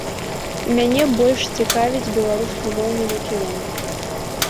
Мяне больш цікавіць беларускамоўны накірунак.